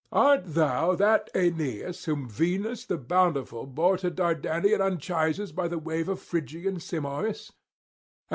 Art thou that Aeneas whom Venus the bountiful bore to Dardanian Anchises by the wave of Phrygian Simoïs?